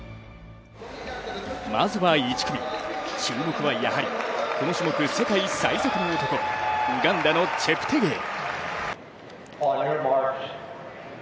まずは１組、注目はやはりこの種目世界最速の男、ウガンダのチェプテゲイ。